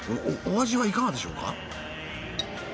お味はいかがでしょうか？